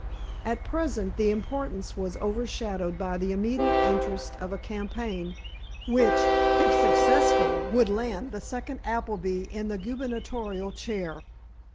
At present, the importance was overshadowed by the immediate interest of a campaign, which, if successful would land the second Appleby in the gubernatorial chair.